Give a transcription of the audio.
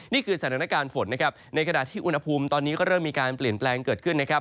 นี่คือสถานการณ์ฝนนะครับในขณะที่อุณหภูมิตอนนี้ก็เริ่มมีการเปลี่ยนแปลงเกิดขึ้นนะครับ